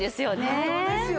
本当ですよね。